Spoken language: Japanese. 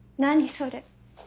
それ。